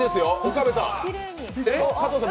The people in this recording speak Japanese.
岡部さん！